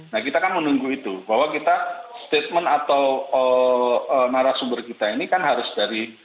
nah kita kan menunggu itu bahwa kita statement atau narasumber kita ini kan harus dari